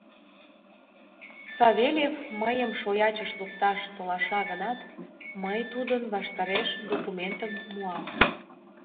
— Савельев мыйым шоячыш лукташ толаша гынат, мый тудын ваштареш документым муам.